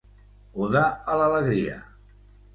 "Oda a l'alegria".